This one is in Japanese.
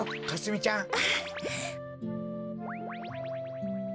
かすみちゃん